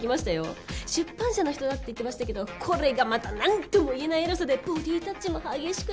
出版社の人だって言ってましたけどこれがまたなんともいえないエロさでボディータッチも激しくて。